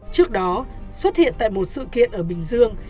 trước đó xuất hiện tại một sự kiện ở bình dương